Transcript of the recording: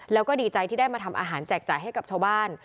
แล้วก็ดีใจที่ได้มาทำอาหารแจกจ่ายให้กับชาวบ้าน